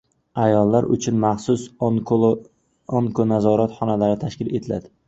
Ayollar uchun maxsus "Onko-nazorat" xonalari tashkil etiladi